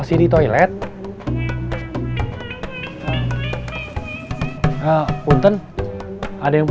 itu v axis udah rame